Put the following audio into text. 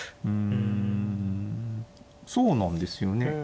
うんそうなんですよね。